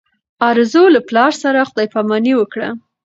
ارزو له پلار سره خدای په اماني وکړه.